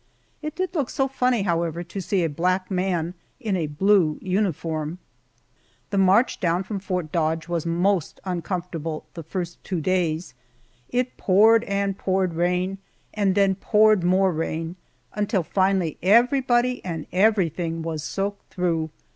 It did look so funny, however, to see such a black man in a blue Uniform. The march down from Fort Dodge was most uncomfortable the first two days. It poured and poured rain, and then poured more rain, until finally everybody and everything was soaked through.